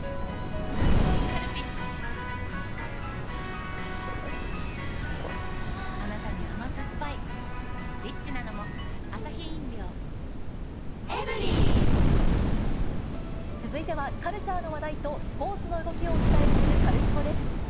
カルピスはぁあなたに甘ずっぱい続いてはカルチャーの話題とスポーツの動きをお伝えする、カルスポっ！です。